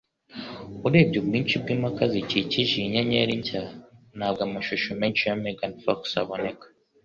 Urebye ubwinshi bwimpaka zikikije iyi nyenyeri nshya, ntabwo amashusho menshi ya Megan Fox aboneka.